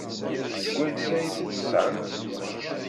Seg wansi ay t-id-tesɣamt?